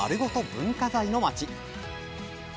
文化財の町。